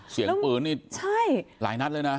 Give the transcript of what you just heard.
เสียงปืนนี่ใช่หลายนัดเลยนะ